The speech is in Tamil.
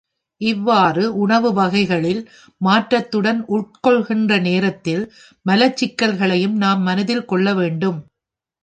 இவ்வாறு உணவு வகைகளில் மாற்றத்துடன் உட்கொள்கின்ற நேரத்தில், மலச்சிக்கலையும் நாம் மனதில் கொள்ள வேண்டும்.